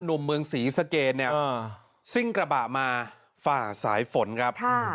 เมืองศรีสะเกดเนี่ยซิ่งกระบะมาฝ่าสายฝนครับ